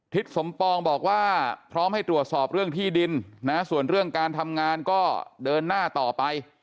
สมปองบอกว่าพร้อมให้ตรวจสอบเรื่องที่ดินนะส่วนเรื่องการทำงานก็เดินหน้าต่อไป